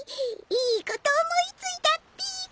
いいこと思いついたっぴ。